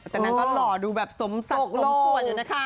แต่นั่นก็หล่อดูแบบสมสัตว์สมสวนอยู่นะคะ